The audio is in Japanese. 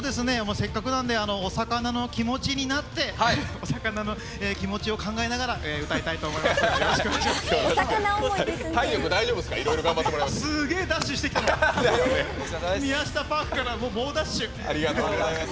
せっかくなんでおさかなの気持ちになっておさかなの気持ちを考えながら歌いたいと思います。